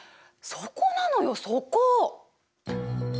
そこなのよそこ！